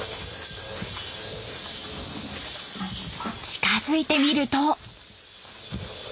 近づいてみると。